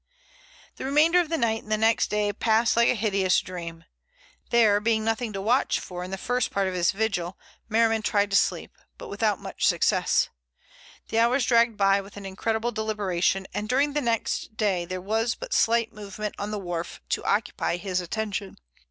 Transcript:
The remainder of the night and the next day passed like a hideous dream. There being nothing to watch for in the first part of his vigil, Merriman tried to sleep, but without much success. The hours dragged by with an incredible deliberation, and during the next day there was but slight movement on the wharf to occupy his attention.